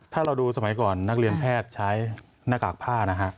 ถ้าเราดูสมัยก่อนนักเรียนแพทย์ใช้หน้ากากผ้านะฮะ